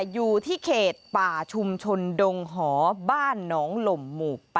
อยู่ที่เขตป่าชุมชนดงหอบ้านหนองหล่มหมู่๘